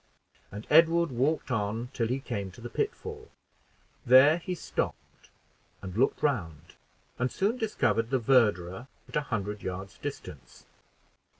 And Edward walked on till he came to the pitfall; there he stopped and looked round, and soon discovered the verderer at a hundred yards' distance.